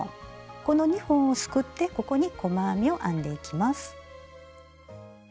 この２本をすくってここに細編みを編んでいきます。